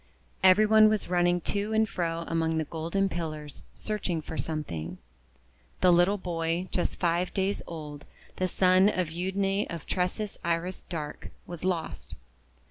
Every one was running to and fro among the golden pillars, searching for something. The little boy, just five days old, the son of Euadne of Tresses Iris Dark, was lost.